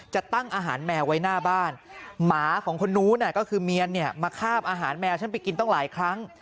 จะตั้งอาหารแมวไว้หน้าบ้านหมาของคนนู้นก็คือเมียนเนี่ยมาคาบอาหารแมวฉันไปกินตั้งหลายครั้ง